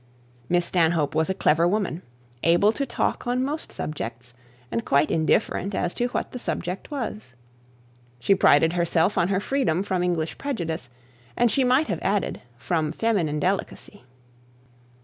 Miss Stanhope was a clever woman, able to talk on most subjects, and quite indifferent as to what the subject was. She prided herself on her freedom from English prejudice, and she might have added, from feminine delicacy.